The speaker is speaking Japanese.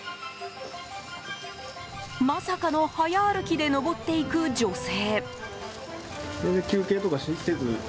まさかの早歩きで上っていく女性。